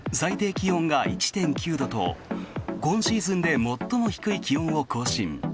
気温が１．９度と今シーズンで最も低い気温を更新。